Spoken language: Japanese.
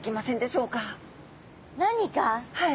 はい。